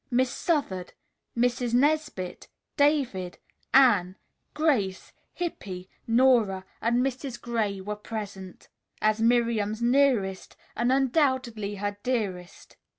Miss Southard, Mrs. Nesbit, David, Anne, Grace, Hippy, Nora and Mrs. Gray were present, as Miriam's nearest, and undoubtedly her dearest.